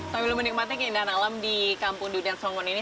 sambil menikmatinya keindahan alam di kampung durian songgon ini